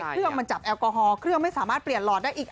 เครื่องมันจับแอลกอฮอลเครื่องไม่สามารถเปลี่ยนหลอดได้อีก